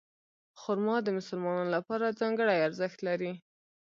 خرما د مسلمانانو لپاره ځانګړی ارزښت لري.